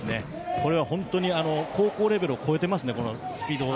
これが本当に高校レベルを超えていますね、このスピード。